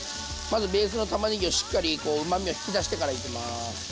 まずベースのたまねぎをしっかりこううまみを引き出してからいきます。